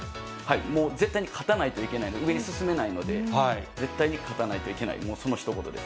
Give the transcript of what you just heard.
もう絶対に勝たないといけない、上に進めないので、絶対に勝たないといけない、そのひと言です。